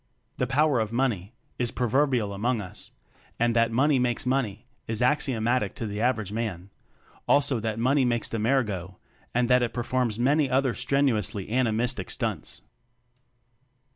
The "power of money" is proverbial among us; and that "money makes money" is axio matic to the average man; also that "money makes the mare go," and that it performs many other strenuously animistic stunts.